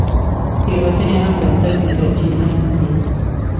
تېروتنې هم د زده کړې سرچینه دي.